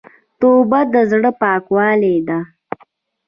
توبه د زړه پاکوالی ده.